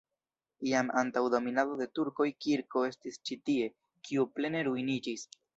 Jam antaŭ dominado de turkoj kirko estis ĉi tie, kiu plene ruiniĝis.